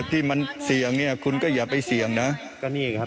ที่มันเสี่ยงเนี่ยคุณก็อย่าไปเสี่ยงนะก็นี่ครับ